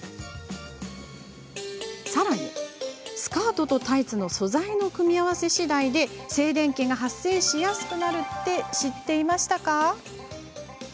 さらに、スカートとタイツの素材の組み合わせしだいで静電気が発生しやすくなるって知っていましたか？